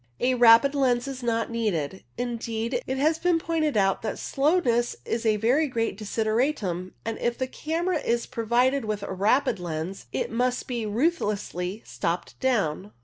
A rapid lens is not needed; indeed, it has been pointed out that slowness is a very great desideratum, and if the camera is pro vided with a rapid lens it must be ruthlessly stopped down.